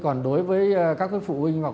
còn đối với các phụ huynh